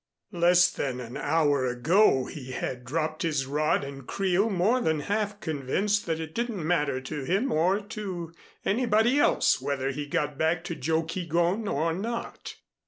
Less than an hour ago he had dropped his rod and creel more than half convinced that it didn't matter to him or to anybody else whether he got back to Joe Keegón or not.